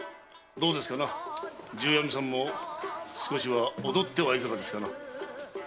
どうですかな重阿弥さんも少しは踊ってはいかがですかな？